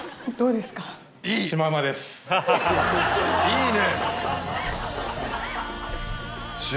いいね！